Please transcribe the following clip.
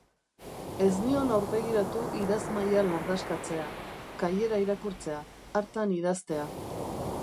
Ez nion aurpegiratu idazmahaia lardaskatzea, kaiera irakurtzea, hartan idaztea.